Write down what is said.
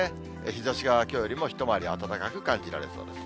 日ざしがきょうよりも一回り暖かく感じられそうです。